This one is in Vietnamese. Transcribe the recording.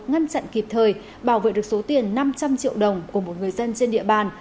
ngăn chặn kịp thời bảo vệ được số tiền năm trăm linh triệu đồng của một người dân trên địa bàn